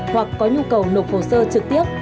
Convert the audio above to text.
hoặc có nhu cầu nộp hồ sơ trực tiếp